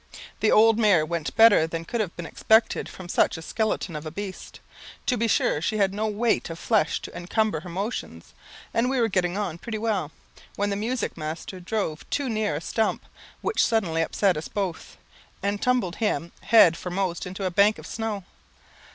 The old mare went better than could have been expected from such a skeleton of a beast. To be sure, she had no weight of flesh to encumber her motions, and we were getting on pretty well, when the music master drove too near a stump, which suddenly upset us both, and tumbled him head foremost into a bank of snow.